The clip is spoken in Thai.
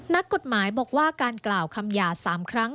นักกฎหมายบอกว่าการกล่าวคำหยาด๓ครั้ง